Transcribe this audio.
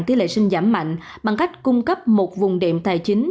tỷ lệ sinh giảm mạnh bằng cách cung cấp một vùng đệm tài chính